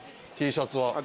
Ｔシャツは大人。